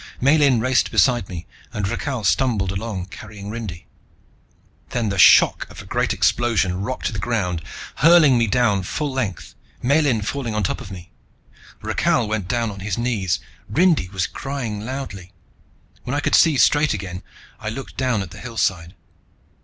Miellyn raced beside me and Rakhal stumbled along, carrying Rindy. Then the shock of a great explosion rocked the ground, hurling me down full length, Miellyn falling on top of me. Rakhal went down on his knees. Rindy was crying loudly. When I could see straight again, I looked down at the hillside.